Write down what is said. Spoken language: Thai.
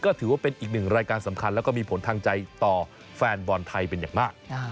ก็ถือว่าเป็นอีกหนึ่งรายการสำคัญแล้วก็มีผลทางใจต่อแฟนบอลไทยเป็นอย่างมาก